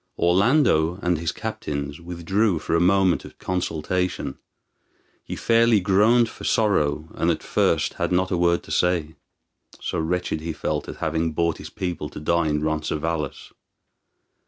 Orlando and his captains withdrew for a moment to consultation. He fairly groaned for sorrow, and at first had not a word to say, so wretched he felt at having brought his people to die in Roncesvalles.